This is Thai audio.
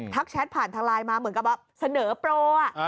ทักแชตผ่านทางไลน์มาเหมือนกับเสนอโปรอ่ะ